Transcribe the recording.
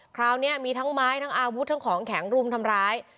คราวนี้มีทั้งไม้ทั้งอาวุธทั้งของแข็งรุมทำร้าย